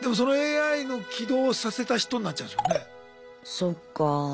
そっか。